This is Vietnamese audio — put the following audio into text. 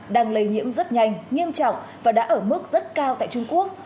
đang lây nhiễm rất nhanh nghiêm trọng và đã ở mức rất cao tại trung quốc